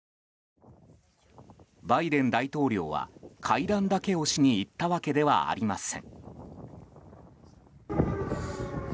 バイデン大統領は会談だけをしに行ったわけではありません。